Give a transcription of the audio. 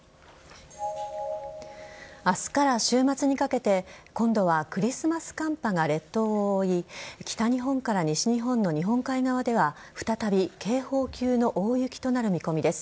明日から週末にかけて今度はクリスマス寒波が列島を覆い北日本から西日本の日本海側では再び警報級の大雪となる見込みです。